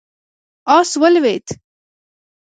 آس ولوېد.